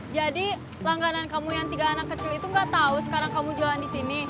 jadi langganan kamu yang tiga anak kecil itu nggak tahu sekarang kamu jualan di sini